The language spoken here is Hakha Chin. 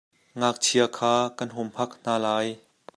Ngakchia kha kan humhak hna lai.